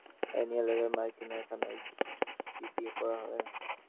এ নিয়ে এলাকায় মাইকিং ও থানায় জিডিও করা হয়।